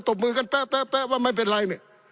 บมือกันแป๊ะว่าไม่เป็นไรเนี่ย